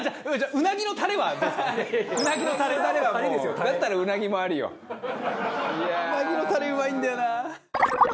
うなぎのタレうまいんだよな。